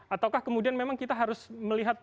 ataukah kemudian memang kita harus melihat